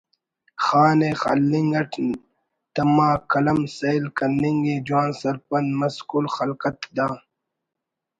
خان ءِ خلنگ اٹ تما قلم سیل کننگ ءِ جوان سرپند مس کل خلقت دا